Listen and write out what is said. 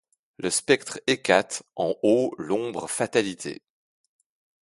Le spectre Hécate, en haut l’ombre Fatalité ;